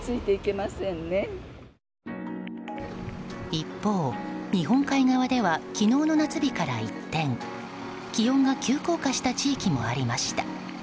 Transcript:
一方、日本海側では昨日の夏日から一転気温が急降下した地域もありました。